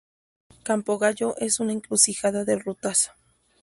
Campo Gallo es una encrucijada de rutas.